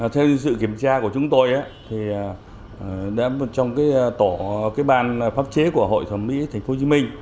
theo dự kiểm tra của chúng tôi trong tổ ban pháp chế của hội thẩm mỹ tp hcm